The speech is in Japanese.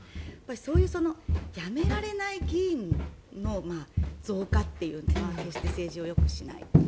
そういう辞められない議員の増加というのは決して政治をよくしないと。